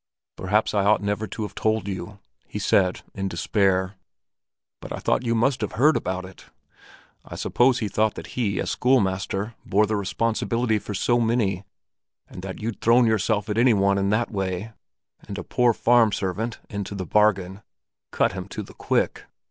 "Perhaps I ought never to have told you," he said in despair. "But I thought you must have heard about it. I suppose he thought that he, as schoolmaster, bore the responsibility for so many, and that you'd thrown yourself at any one in that way, and a poor farm servant into the bargain, cut him to the quick.